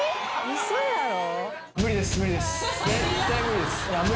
嘘やろ？